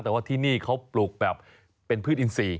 แต่ว่าที่นี่เขาปลูกแบบเป็นพืชอินทรีย์